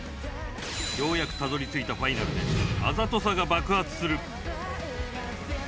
ようやくたどりついたファイナルで、あざとさが爆発する。